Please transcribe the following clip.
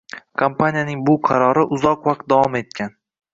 Kompaniya bu qarori uzoq vaqt davom etgan.